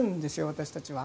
私たちは。